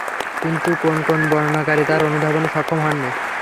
কিন্তু কোন কোন বর্ণনাকারী তা অনুধাবনে সক্ষম হননি।